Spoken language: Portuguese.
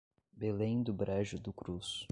Belém do Brejo do Cruz